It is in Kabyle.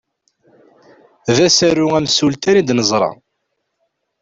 D asaru amsultan i d-neẓra.